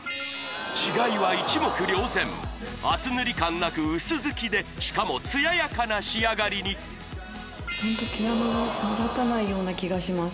違いは一目瞭然厚塗り感なく薄付きでしかも艶やかな仕上がりにホント毛穴も目立たないような気がします